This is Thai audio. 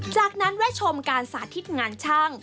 จากนั้นแวะชมการสาธิตงานช่าง